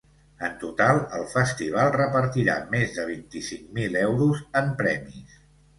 En total, el festival repartirà més de vint-i-cinc mil euros en premis.